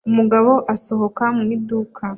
Umugabo asohoka mu iduka